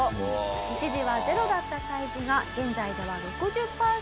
一時はゼロだった催事が現在では６０パーセントほど回復。